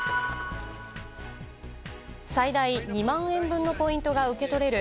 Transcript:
最大２万円分のポイントが受け取れる